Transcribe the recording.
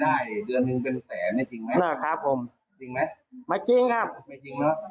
ถ้าไม่มีกินยังไงก็ต้องมาเมืองไทยอีกนั่นแหละ